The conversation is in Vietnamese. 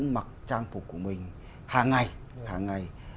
mặc trang phục của mình hàng ngày